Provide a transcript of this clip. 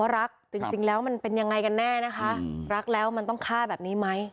ทั้งปุ๊ยนี้เป็น